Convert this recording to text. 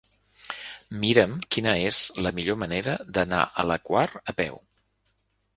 Mira'm quina és la millor manera d'anar a la Quar a peu.